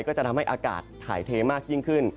ก็จะทำให้อากาศถ่ายเทมากยิ่งขึ้น